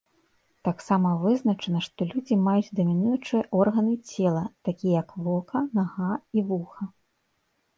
Таксама вызначана, што людзі маюць дамінуючыя органы цела, такія як вока, нага і вуха.